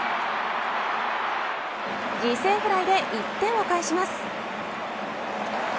犠牲フライで１点を返します。